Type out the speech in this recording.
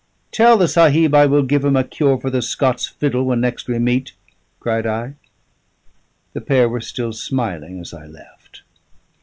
"Tell the Sahib I will give him a cure for the Scots fiddle when next we meet," cried I. The pair were still smiling as I left.